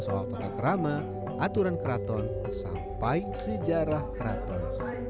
soal tetap kerama aturan keraton sampai sejarah keraton